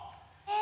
え？